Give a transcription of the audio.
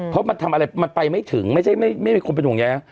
เพราะมันทำอะไรมันไปไม่ถึงไม่ใช่ไม่มีคนเป็นห่วงแย้ง